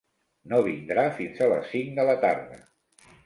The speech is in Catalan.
No vindrà fins a les cinc de la tarda.